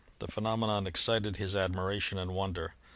The phenomenon excited his admiration and wonder.